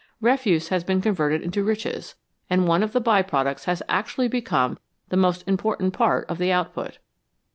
Refuse has been converted into riches, and one of the by products has actually become the most important part of the output.